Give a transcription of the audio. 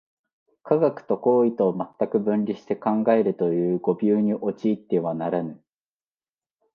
科学と行為とを全く分離して考えるという誤謬に陥ってはならぬ。